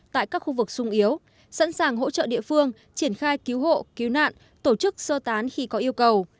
tại các khu vực sung yếu sẵn sàng hỗ trợ địa phương triển khai cứu hộ cứu nạn tổ chức sơ tán khi có yêu cầu